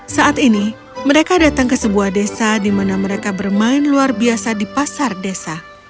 saat ini mereka datang ke sebuah desa di mana mereka bermain luar biasa di pasar desa